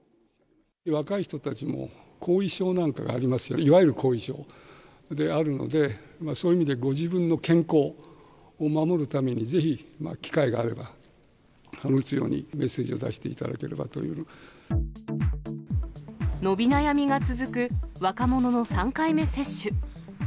若い人たちも後遺症なんかがありますよね、いわゆる後遺症あるので、そういう意味で、ご自分の健康を守るために、ぜひ機会があれば打つようにメッセージを出していただければとい伸び悩みが続く若者の３回目接種。